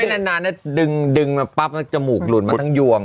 นานดึงมาปั๊บแล้วจมูกหลุดมาทั้งยวง